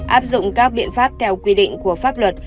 áp dụng các biện pháp theo quy định của pháp luật